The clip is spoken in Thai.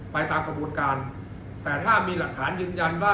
ไปตามกระบวนการแต่ถ้ามีหลักฐานยืนยันว่า